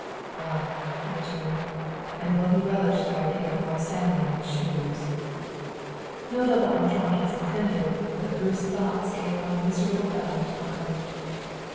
"Ah," he returned, "and will he relish the idea of my standing in his shoes?" No double entendre was intended, but Ruth's thoughts gave one miserable bound to Arnold.